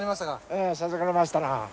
ええ授かりましたな。